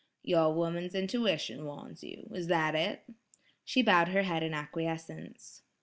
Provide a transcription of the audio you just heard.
"Your woman's intuition warns you; is that it?" She bowed her head in acquiescence.